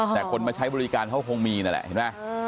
แต่คนมาใช้บริการเขาคงมีนั่นแหละ